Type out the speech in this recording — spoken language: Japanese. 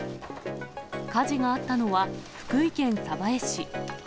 火事があったのは、福井県鯖江市。